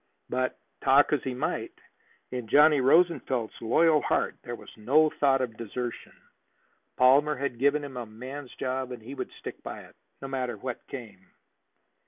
But, talk as he might, in Johnny Rosenfeld's loyal heart there was no thought of desertion. Palmer had given him a man's job, and he would stick by it, no matter what came.